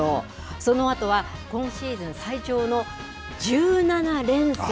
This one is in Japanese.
そのあとは今シーズン最長の１７連戦。